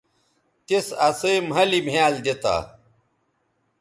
تِس اسئ مھلِ مھیال دی تا